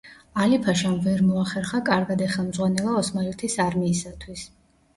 ალი-ფაშამ ვერ მოახერხა კარგად ეხელმძღვანელა ოსმალეთის არმიისათვის.